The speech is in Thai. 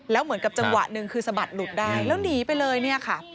แล้วเหมือนกับจังหวะหนึ่งคือสะบัดหลุดได้แล้วหนีไปเลยเนี่ยค่ะ